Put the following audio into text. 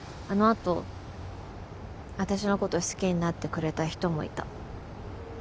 あの後私のこと好きになってくれた人もいた。